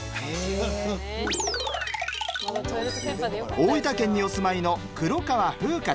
大分県にお住まいの黒川ふうかちゃん。